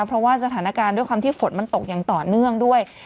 เพราะว่าสถานการณ์ด้วยความที่ฝนมันตกอย่างต่อเนื่องด้วย